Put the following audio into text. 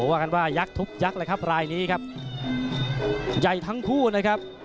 ว่ากันว่ายักษ์ทุบยักษ์เลยครับรายนี้ครับใหญ่ทั้งคู่นะครับ